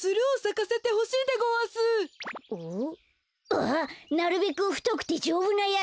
ああなるべくふとくてじょうぶなやつだね。